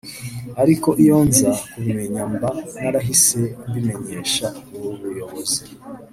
ariko iyo nza kubimenya mba narahise mbimenyesha ubuyobozi